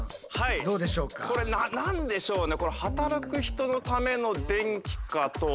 これ何でしょうね。